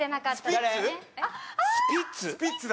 スピッツだ。